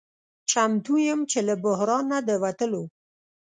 چمتو یم چې له بحران نه د وتلو